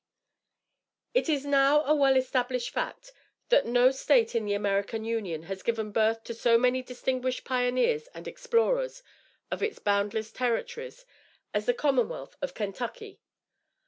It is now a well established fact, that no State in the American Union has given birth to so many distinguished pioneers and explorers of its boundless Territories, as the commonwealth of Kentucky.